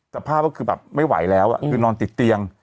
สภาพก็คือแบบไม่ไหวแล้วคือนอนติดเตียง